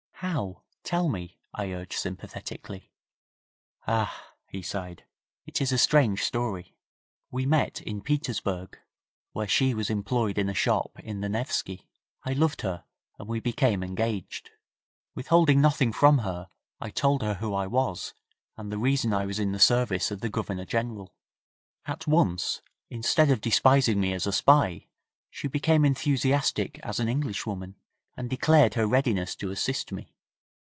'How? Tell me,' I urged sympathetically. 'Ah!' he sighed, 'it is a strange story. We met in Petersburg; where she was employed in a shop in the Newski. I loved her, and we became engaged. Withholding nothing from her I told her who I was and the reason I was in the service of the Governor General. At once, instead of despising me as a spy, she became enthusiastic as an Englishwoman, and declared her readiness to assist me.